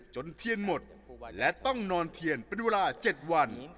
เทียนหมดและต้องนอนเทียนเป็นเวลา๗วัน